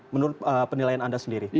menurut penilaian anda sendiri